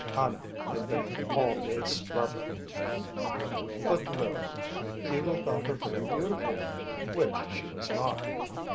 Anna had been an all day scrubber. But Lil. Hugo thought her very beautiful, which she was not.